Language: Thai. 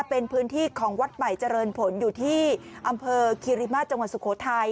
เป็นพื้นที่ของวัดใหม่เจริญผลอยู่ที่อำเภอคิริมาตรจังหวัดสุโขทัย